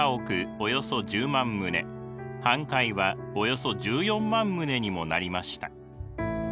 およそ１０万棟半壊はおよそ１４万棟にもなりました。